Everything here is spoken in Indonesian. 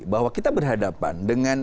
bahwa kita berhadapan dengan